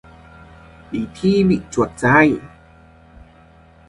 Đi thi bị truột dài